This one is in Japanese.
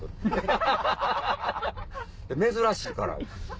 珍しいから。